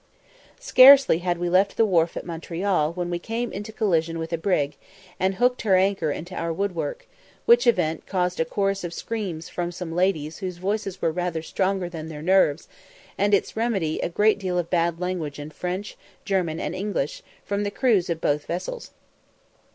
Scarcely had we left the wharf at Montreal when we came into collision with a brig, and hooked her anchor into our woodwork, which event caused a chorus of screams from some ladies whose voices were rather stronger than their nerves, and its remedy a great deal of bad language in French, German, and English, from the crews of both vessels.